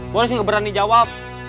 boris nggak berani jawab